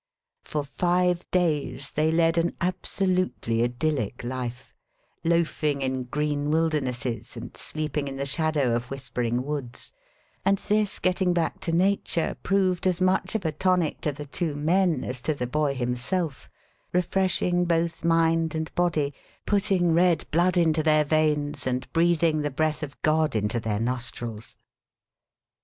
For five days they led an absolutely idyllic life; loafing in green wildernesses and sleeping in the shadow of whispering woods; and this getting back to nature proved as much of a tonic to the two men as to the boy himself refreshing both mind and body, putting red blood into their veins, and breathing the breath of God into their nostrils.